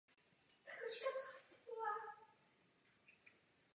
Dosáhnout tohoto všeho je možné jen díky kompromisu.